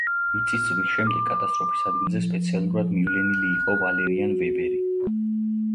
მიწისძვრის შემდეგ კატასტროფის ადგილზე სპეციალურად მივლენილი იყო ვალერიან ვებერი.